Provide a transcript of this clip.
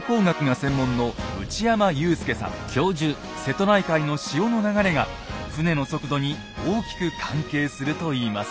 瀬戸内海の潮の流れが船の速度に大きく関係するといいます。